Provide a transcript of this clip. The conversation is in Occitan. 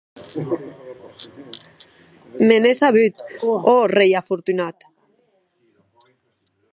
Me n’è sabut, ò rei afortunat!